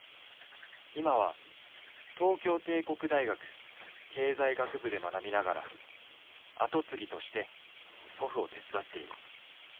今は東京帝国大学経済学部で学びながら跡継ぎとして祖父を手伝っている。